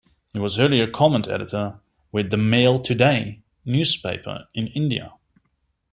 He was earlier Comment Editor with the "Mail Today" newspaper in India.